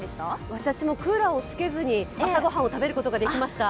私もクーラーをつけずに朝ご飯を食べることができました。